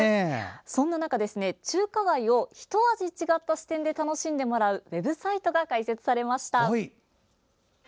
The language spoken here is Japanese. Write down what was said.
そんな中、中華街をひと味違った視点で楽しんでもらうウェブサイトが開設されました。